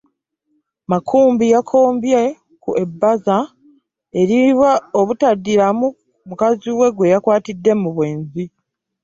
Makumbi yakombye ku ebaza eriibwa obutaddiramu mukazi we gwe yakwatidde mu bwenzi.